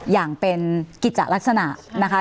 อย่างเป็นกิจลักษณะนะคะ